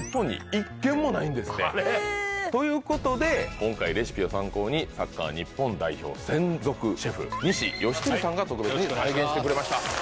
１軒も。ということで今回レシピを参考にサッカー日本代表専属シェフ西芳照さんが特別に再現してくれました。